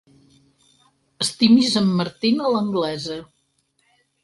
Estimis en Martin a l'anglesa.